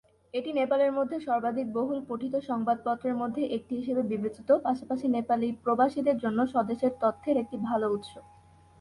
এটি নেপালের মধ্যে সর্বাধিক বহুল পঠিত সংবাদপত্রের মধ্যে একটি হিসাবে বিবেচিত, পাশাপাশি নেপালি প্রবাসীদের জন্য স্বদেশের তথ্যের একটি ভাল উৎস।